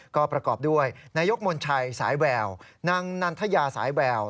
ก็ประกอบด้วยนายกมนชัยสายแววนางนันทยาสายแวว